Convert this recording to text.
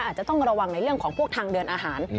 อาจจะต้องระวังในเรื่องของพวกทางเดินอาหาร